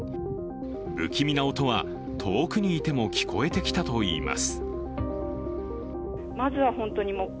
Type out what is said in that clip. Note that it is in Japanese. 不気味な音は遠くにいても聞こえてきたといいます。